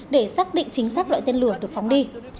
để xác định chính xác loại tên lửa được phóng đi